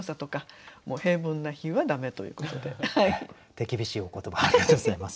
手厳しいお言葉ありがとうございます。